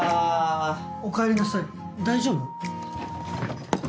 おかえりなさい大丈夫？